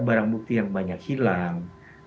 barang bukti yang banyak hilang